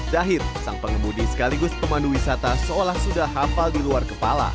zahid sang pengemudi sekaligus pemandu wisata seolah sudah hafal di luar kepala